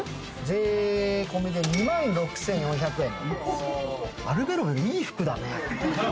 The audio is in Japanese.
税込みで２万６，４００円。